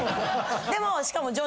でもしかも。